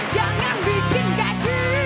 jangan bikin keki